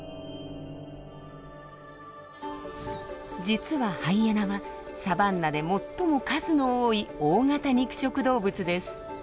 実はハイエナはサバンナで最も数の多い大型肉食動物です。